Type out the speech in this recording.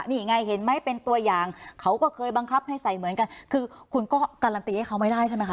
นี่ไงเห็นไหมเป็นตัวอย่างเขาก็เคยบังคับให้ใส่เหมือนกันคือคุณก็การันตีให้เขาไม่ได้ใช่ไหมค